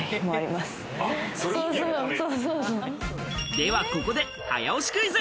ではここで早押しクイズ。